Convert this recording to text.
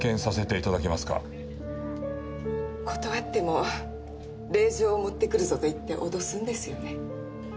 断っても令状を持ってくるぞと言って脅すんですよね。